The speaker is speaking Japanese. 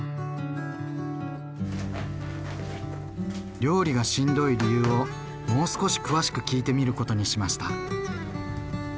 料理がしんどい理由をもう少し詳しく聞いてみることにしました。